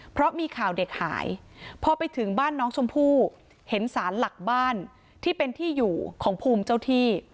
เพราะมีข่าวเด็กหายพอไปถึงบ้านน้องชมพู่เห็นสารหลักบ้านที่เป็นที่อยู่ของภูมิเจ้าที่